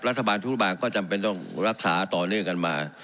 รัฐบาลทุกธุรกรรมก็จำเป็นต้องรักษาต่อเนื่องนะครับ